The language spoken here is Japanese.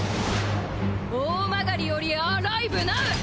大曲よりアライブナウ。